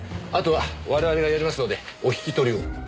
あとは我々がやりますのでお引き取りを。